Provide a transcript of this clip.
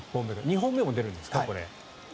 ２本目も出るんですか、これ。